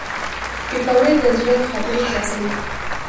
پکورې د زړه خبرې خلاصوي